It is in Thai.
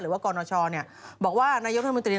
หรือว่ากรณชอบอกว่านายกรรมนัธมนตรี